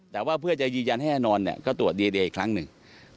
แต่ว่าเพื่อจะยืนยันให้แน่นอนก็ตรวจดีเออีกครั้งหนึ่ง